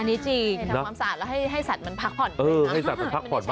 อันนี้จริงทำความสะอาดแล้วให้สัตว์มันพักผ่อนด้วยนะ